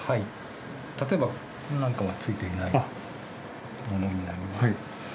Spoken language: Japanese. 例えばこれなんかはついていないものになります。